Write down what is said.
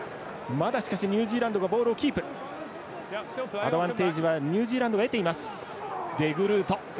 アドバンテージはニュージーランドが得ています。